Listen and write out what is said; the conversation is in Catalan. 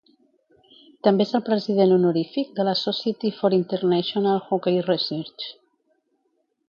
També és el president honorífic de la Society for International Hockey Research.